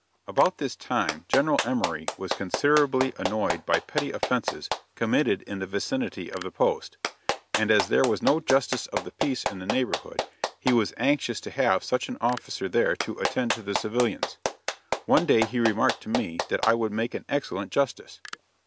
About this time General Emory was considerably annoyed by petty offenses committed in the vicinity of the post, and as there was no justice of the peace in the neighborhood, he was anxious to have such an officer there to attend to the civilians; one day he remarked to me that I would make an excellent justice.